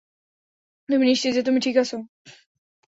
তুমি নিশ্চিত যে তুমি ঠিক আছ?